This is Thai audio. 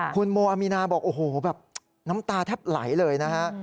คุณโมอามีนาบอกโอ้โหแบบน้ำตาแทบไหลเลยนะฮะ